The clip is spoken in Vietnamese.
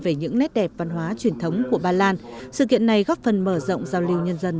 về những nét đẹp văn hóa truyền thống của ba lan sự kiện này góp phần mở rộng giao lưu nhân dân